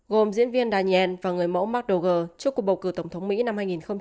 gồm diễn viên daniel và người mẫu mark dogger trước cuộc bầu cử tổng thống mỹ năm hai nghìn một mươi sáu